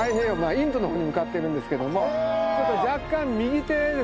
インドの方に向かっているんですけども若干右手ですね